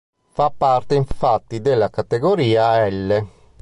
Fa parte infatti della categoria "L".